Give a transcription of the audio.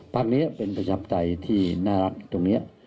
ภาคนี้เป็นประชับใต้ที่น่ารักตรงนี้